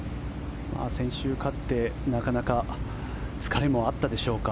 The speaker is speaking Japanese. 先週勝ってなかなか疲れもあったでしょうか。